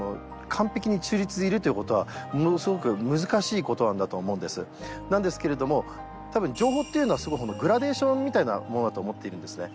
完璧に中立でいるということはものすごく難しいことなんだと思うんですなんですけれどもたぶん情報っていうのはそもそもグラデーションみたいなものだと思っているんですね